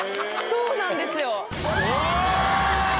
そうなんですよ。